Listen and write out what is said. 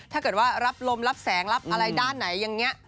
ถ้าเกิดว่ารับลมรับแสงรับอะไรด้านไหนอย่างนี้